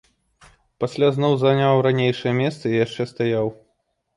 Пасля зноў заняў ранейшае месца і яшчэ стаяў.